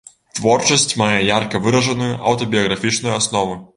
Творчасць мае ярка выражаную аўтабіяграфічную аснову.